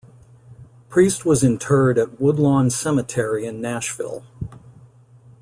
Priest was interred at Woodlawn Cemetery in Nashville.